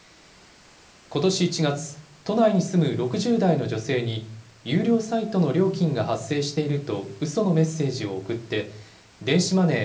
ことし１月、都内に住む６０代の女性に、有料サイトの料金が発生しているとうそのメッセージを送って、電子マネー